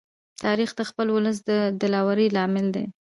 تاریخ د خپل ولس د دلاوري لامل دی.